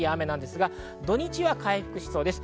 土日は回復しそうです。